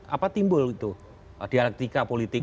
apa timbul itu dialektika politik